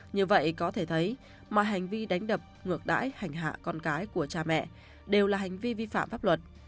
như vậy có thể thấy mọi hành vi đánh đập ngược đãi hành hạ con cái của cha mẹ đều là hành vi vi phạm pháp luật